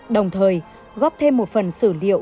đồng thời góp thêm một phần sử liệu